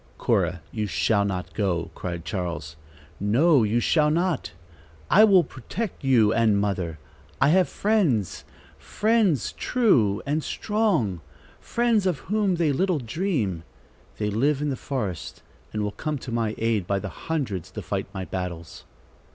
"Cora, you shall not go!" cried Charles. "No, you shall not. I will protect you and mother. I have friends, friends true and strong, friends of whom they little dream. They live in the forest and will come to my aid by the hundreds to fight my battles."